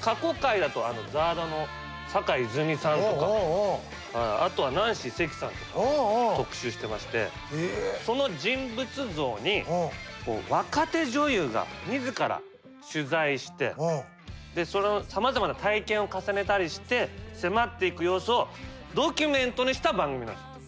過去回だとＺＡＲＤの坂井泉水さんとかあとはナンシー関さんとか特集してましてその人物像に若手女優が自ら取材してさまざまな体験を重ねたりして迫っていく様子をドキュメントにした番組なんです。